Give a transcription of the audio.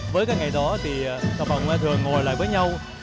với cái ngày đó thì các bà ngoại thừa ngồi lại với nhau